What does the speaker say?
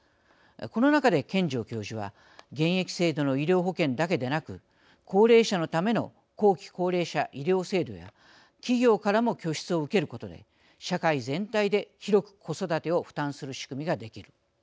この中で、権丈教授は現役制度の医療保険だけでなく高齢者のための後期高齢者医療制度や企業からも拠出を受けることで社会全体で広く子育てを負担する仕組みができる。